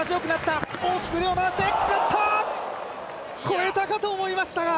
越えたかと思いましたが